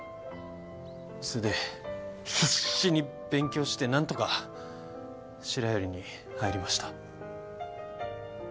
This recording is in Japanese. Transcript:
それで必死に勉強して何とか白百合に入りました。